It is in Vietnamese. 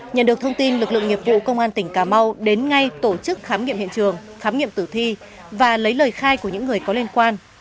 nhận được thông tin lực lượng nghiệp vụ công an tỉnh cà mau đến ngay tổ chức khám nghiệm hiện trường khám nghiệm tử thi và lấy lời khai của những người có liên quan